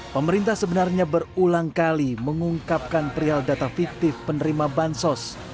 pemerintah sebenarnya berulang kali mengungkapkan perihal data fiktif penerima bansos